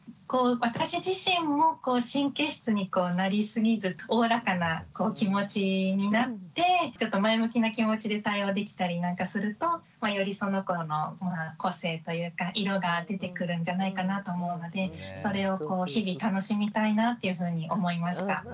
私自身も神経質になりすぎずおおらかな気持ちになってちょっと前向きな気持ちで対応できたりなんかするとよりその子の個性というか色が出てくるんじゃないかなと思うのでそれを日々楽しみたいなっていうふうに思いました。